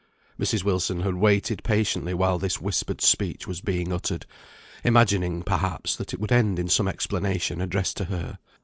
_] Mrs. Wilson had waited patiently while this whispered speech was being uttered, imagining, perhaps, that it would end in some explanation addressed to her.